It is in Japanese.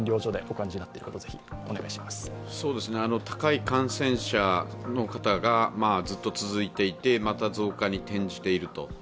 高い感染者の方がずっと続いていてまた増加に転じていると。